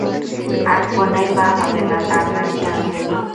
আর কেনই বা হবে না তার নাম যে আঞ্জলি।